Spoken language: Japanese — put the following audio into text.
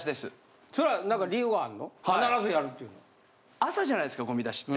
朝じゃないですかゴミ出しって。